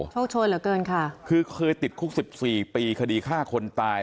โชยเหลือเกินค่ะคือเคยติดคุกสิบสี่ปีคดีฆ่าคนตาย